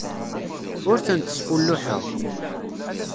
Ur tent-sfulluḥeɣ.